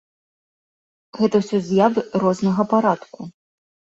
Гэта ўсё з'явы рознага парадку.